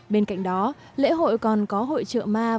bên cạnh đó lễ hội còn có hội trợ ma